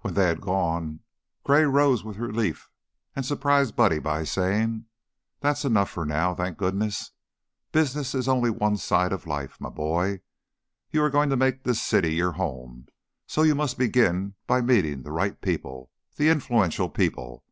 When they had gone, Gray rose with relief and surprised Buddy by saying: "That's enough for now, thank goodness! Business is only one side of life, my boy. You are going to make this city your home, so you must begin by meeting the right people, the influential people.